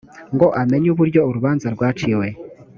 ngo amenye uburyo urubanza rwaciwe